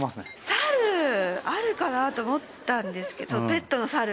サルあるかなと思ったんですけどペットのサル。